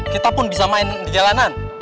kita pun bisa main di jalanan